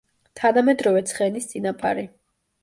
თანამედროვე ცხენის წინაპარი.